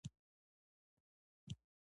د وسلې پر مټ یې د مریانو رانیولو ته مخه کړه.